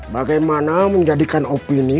bagaimana menjadikan opini